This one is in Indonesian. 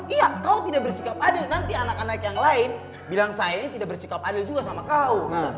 iya kau tidak bersikap adil nanti anak anak yang lain bilang saya ini tidak bersikap adil juga sama kau